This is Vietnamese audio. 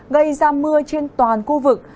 gây ra mưa trên toàn khu vực